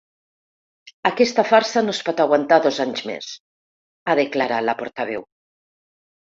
Aquesta farsa no es pot aguantar dos anys més, ha declarat la portaveu.